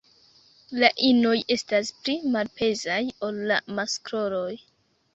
La inoj estas pli malpezaj ol la maskloj.